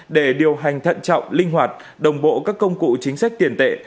để điều hành thận trọng linh hoạt đồng bộ các công cụ chính sách tiền tệ